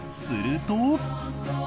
すると。